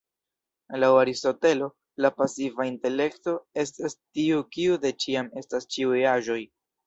Laŭ Aristotelo, la pasiva intelekto "estas tiu kiu de ĉiam estas ĉiuj aĵoj".